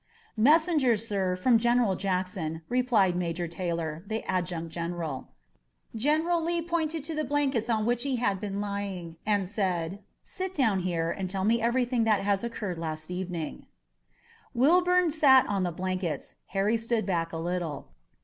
"Messengers, sir, from General Jackson," replied Major Taylor, the Adjutant General. General Lee pointed to the blankets on which he had been lying, and said: "Sit down here and tell me everything that occurred last evening." Wilbourn sat down on the blankets. Harry stood back a little.